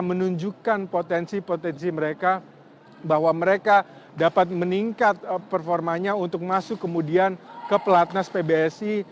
menunjukkan potensi potensi mereka bahwa mereka dapat meningkat performanya untuk masuk kemudian ke pelatnas pbsi